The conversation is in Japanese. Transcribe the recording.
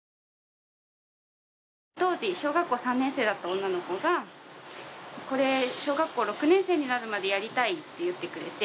当時小学校３年生だった女の子が「これ小学校６年生になるまでやりたい」って言ってくれて。